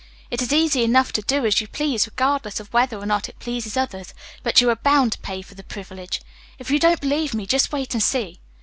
It is easy enough to do as you please regardless of whether or not it pleases others, but you are bound to pay for the privilege. If you don't believe me, just wait and see."